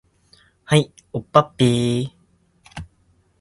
はい、おっぱっぴー